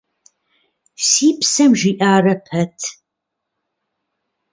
Си псэм жиӀарэ пэт…